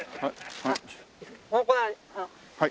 はい。